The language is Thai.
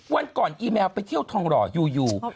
วันก่อนอีแมวไปเที่ยวทองหล่ออยู่